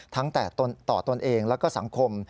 ตั้งแต่ต่อตนเองแล้วก็สังคม